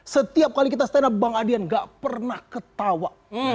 setiap kali kita stand up bang adian gak pernah ketawa